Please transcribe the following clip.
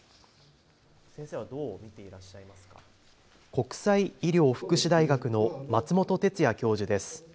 国際医療福祉大学の松本哲哉教授です。